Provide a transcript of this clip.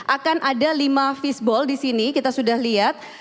akan ada lima fishbowl disini kita sudah lihat